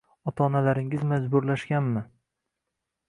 Ota-onalaringiz majburlashganmi